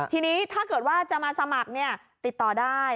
ทีนี้ถ้าเกิดว่าจะมาสมัครติดต่อได้